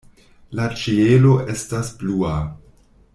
La ĉielo estas blua.